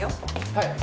はい。